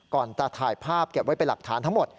ก่อนจะถ่ายภาพเก็บไว้เป็นหลักฐานทั้งหมด